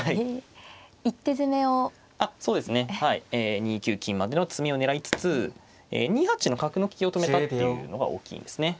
２九金までの詰みを狙いつつ２八の角の利きを止めたっていうのが大きいんですね。